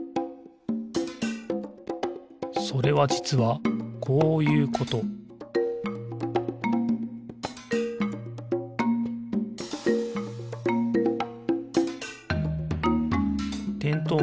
それはじつはこういうことてんとう